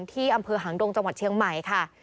ที่อำเภอหางดงจังหวัดเชียงใหม่ค่ะ